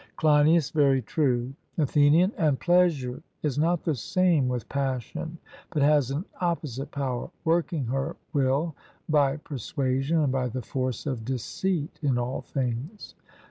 CLEINIAS: Very true. ATHENIAN: And pleasure is not the same with passion, but has an opposite power, working her will by persuasion and by the force of deceit in all things.